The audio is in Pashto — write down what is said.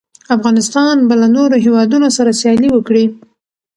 افغانستان به له نورو هېوادونو سره سیالي وکړي.